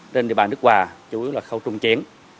trên địa bàn đức hòa chủ yếu là khâu trung chuyển